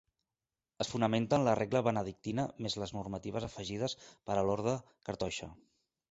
Es fonamenta en la regla benedictina més les normatives afegides per a l'orde cartoixa.